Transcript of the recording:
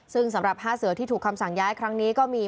ซึ่งสำหรับ๕เสือที่ถูกคำสั่งย้ายครั้งนี้ก็มี